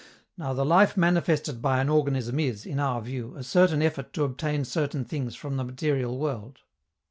Now the life manifested by an organism is, in our view, a certain effort to obtain certain things from the material world.